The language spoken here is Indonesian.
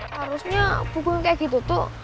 harusnya buku yang kayak gitu tuh